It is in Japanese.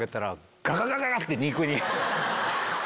ガガガガガ！って。